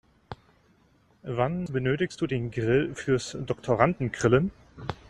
Wann benötigst du den Grill fürs Doktorandengrillen?